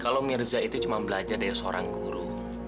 kalau mirza itu cuma belajar dari seorang guru